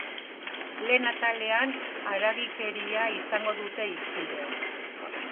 Lehen atalean haragikeria izango dute hizpide.